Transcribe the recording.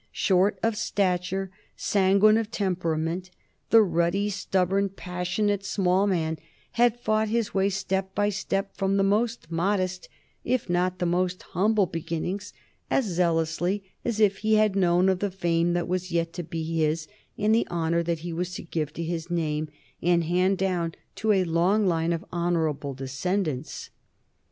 Short of stature, sanguine of temperament, the ruddy, stubborn, passionate small man had fought his way step by step from the most modest if not the most humble beginnings, as zealously as if he had known of the fame that was yet to be his and the honor that he was to give to his name and hand down to a long line of honorable descendants.